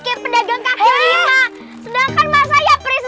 ke pendagang kahirnya sedangkan masa ya pris